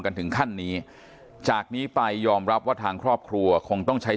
กันถึงขั้นนี้จากนี้ไปยอมรับว่าทางครอบครัวคงต้องใช้